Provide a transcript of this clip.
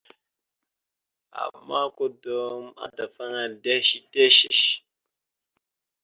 Ama, kudom adafaŋa ɗœshəɗœshœsh.